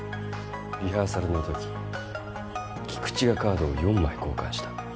リハーサルのとき菊地はカードを４枚交換した。